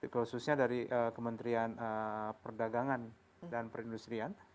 khususnya dari kementerian perdagangan dan perindustrian